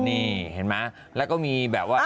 นี่เห็นไหมแล้วก็มีแบบว่า